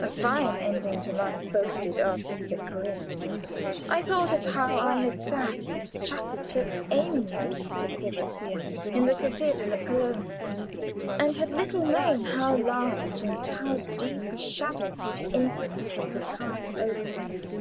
A fine ending to my boasted artistic career! I thought of how I had sat and chattered so aimlessly to Courvoisier in the cathedral at Köln, and had little known how large and how deep a shadow his influence was to cast over my life.